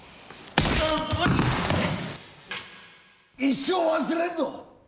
一生忘れんぞ！！